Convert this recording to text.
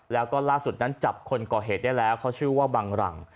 แล้วก็ล่าสุดนั้นจับคนก่อเหตุได้แล้วเขาชื่อว่าบังหลัง